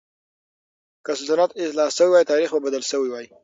که سلطنت اصلاح شوی وای، تاريخ به بدل شوی وای.